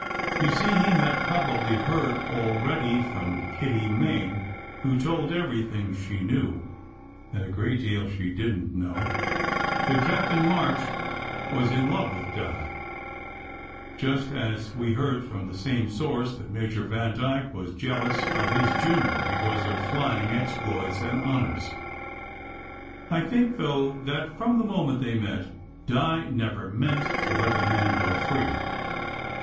You see, he had probably heard already from Kitty Main, who told every thing she knew and a great deal she didn t know, that Captain March was in love with Di, just as we heard from the same source that Major Vandyke was jealous of his junior because of flying exploits and honours. I think, though, that from the moment they met, Di never meant to let the man go free.